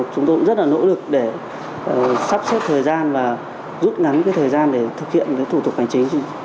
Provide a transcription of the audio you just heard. chúng tôi cũng rất là nỗ lực để sắp xếp thời gian và rút ngắn cái thời gian để thực hiện cái thủ tục hoành chính